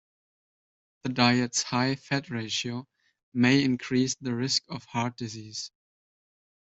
The diet's high fat ratio may increase the risk of heart disease.